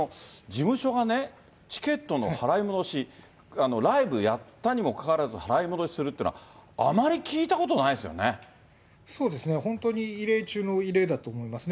これは森さん、事務所がね、チケットの払い戻し、ライブやったにもかかわらず、払い戻しするっていうのは、あまり聞いたことそうですね、本当に異例中の異例だと思いますね。